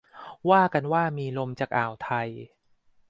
ว่ากันว่ามีลมจากอ่าวไทย